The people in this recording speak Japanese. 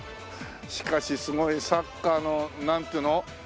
しかしすごいサッカーのなんていうの？